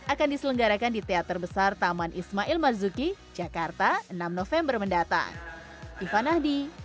akan diselenggarakan di teater besar taman ismail marzuki jakarta enam november mendatang